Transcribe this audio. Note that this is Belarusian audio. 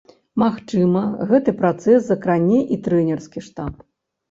Магчыма, гэты працэс закране і трэнерскі штаб.